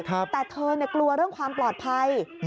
แต่เธอกลัวเรื่องความปลอดภัย